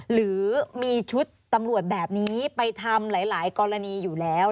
หรือมีชุดตำรวจแบบนี้ไปทำหลายกรณีอยู่แล้ว